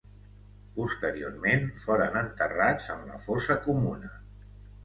Posteriorment foren enterrats en la fossa comuna.